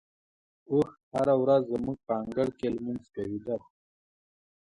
اوښ هره ورځ زموږ په انګړ کې لمونځ کوي.